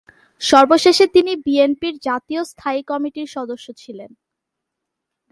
সর্বশেষে তিনি বিএনপির জাতীয় স্থায়ী কমিটির সদস্য ছিলেন।